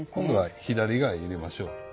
今度は左側へ入れましょう。